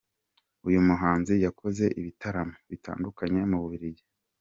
Uyu muhanzi yakoze ibitaramo bitandukanye mu Bubiligi